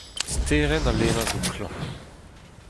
Sterenn ha Lena zo klañv.